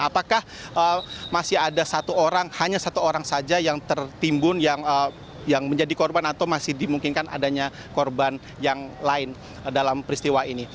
apakah masih ada satu orang hanya satu orang saja yang tertimbun yang menjadi korban atau masih dimungkinkan adanya korban yang lain dalam peristiwa ini